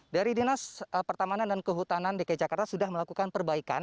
dari dinas pertamanan dan kehutanan dki jakarta sudah melakukan perbaikan